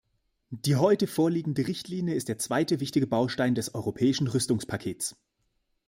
Die heute vorliegende Richtlinie ist der zweite wichtige Baustein des europäischen Rüstungspakets.